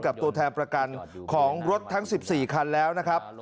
ตัวแทนประกันของรถทั้ง๑๔คันแล้วนะครับ